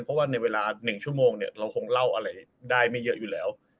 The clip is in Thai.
เพราะว่าในเวลา๑ชั่วโมงเนี่ยเราคงเล่าอะไรได้ไม่เยอะอยู่แล้ว